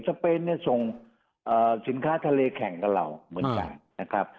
เปนเนี่ยส่งสินค้าทะเลแข่งกับเราเหมือนกันนะครับ